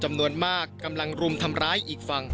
ช่วยเร่งจับตัวคนร้ายให้ได้โดยเร่ง